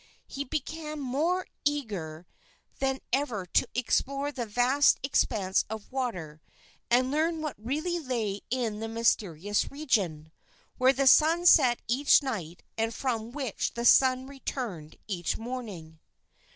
He became more eager than ever to explore that vast expanse of water, and learn what really lay in the mysterious region, where the sun set each night and from which the sun returned each morning.